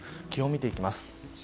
気温を見ていきます。